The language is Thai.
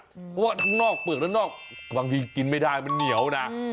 เพราะว่าทั้งนอกเปลือกและนอกบางทีกินไม่ได้มันเหนียวนะ